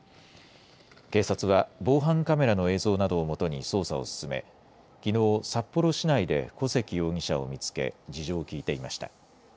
警察は防犯カメラの映像などをもとに捜査を進めきのう札幌市内で小関容疑者を見つけ事情を聴いていました。